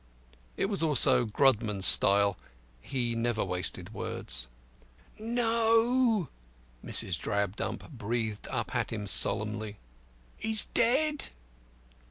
It was also Grodman's style. He never wasted words. "No," Mrs. Drabdump breathed up at him solemnly, "he's dead."